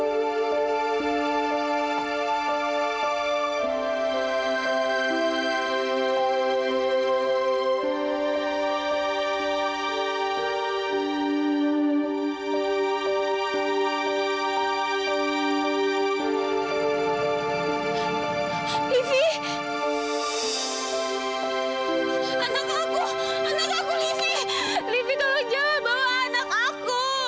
anakku lyfi lyfi tolong jangan bawa anak aku